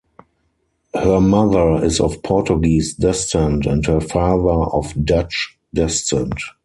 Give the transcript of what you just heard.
Her mother is of Portuguese descent and her father of Dutch descent.